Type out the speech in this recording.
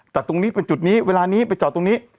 จากตรงนี้เป็นจุดนี้เวลานี้ไปจอดตรงนี้